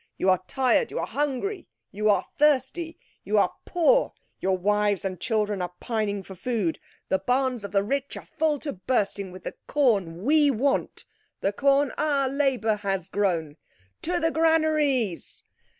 "You are tired, you are hungry, you are thirsty. You are poor, your wives and children are pining for food. The barns of the rich are full to bursting with the corn we want, the corn our labour has grown. To the granaries!"